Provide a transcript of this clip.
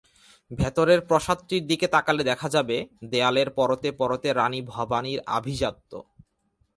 ভেতরের প্রসাদটির দিকে তাকালে দেখা যাবে দেয়ালের পরতে পরতে রানী ভবানীর আভিজাত্য।